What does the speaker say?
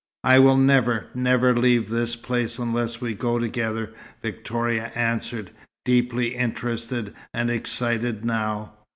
"I will never, never leave this place unless we go together," Victoria answered, deeply interested and excited now.